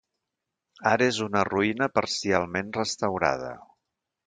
Ara és una ruïna parcialment restaurada.